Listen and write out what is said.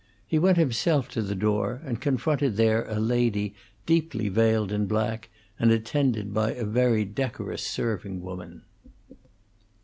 He went himself to the door, and confronted there a lady deeply veiled in black and attended by a very decorous serving woman.